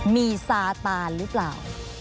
มีซาตานหรือเปล่า